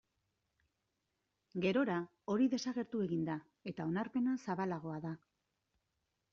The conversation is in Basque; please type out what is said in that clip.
Gerora hori desagertu egin da eta onarpena zabalagoa da.